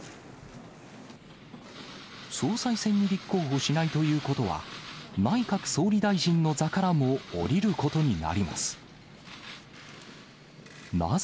総裁選に立候補しないということは、内閣総理大臣の座からも降りることになります。